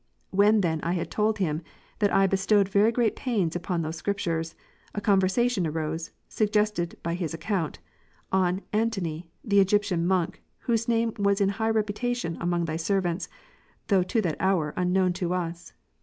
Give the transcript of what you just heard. When then I had told him, that I be stowed very great pains upon those Scriptures, a conversation arose (suggested by his account) on Antony'' the Egyptian Monk: whose name was in high reputation among Thy servants, though to that hour unknown to us.